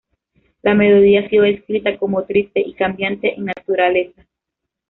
La melodía ha sido descrita como "triste" y "cambiante" en naturaleza.